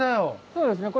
そうですね。